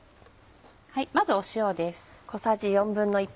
まず塩です。